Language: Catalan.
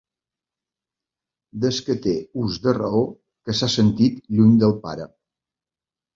Des que té ús de raó que s'ha sentit lluny del pare.